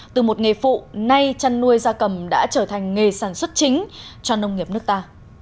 từ một nghề phụ nay chăn nuôi da cầm đã trở thành nghề sản xuất chính cho nông nghiệp nước ta